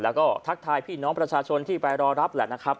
แล้วก็ทักทายพี่น้องประชาชนที่ไปรอรับ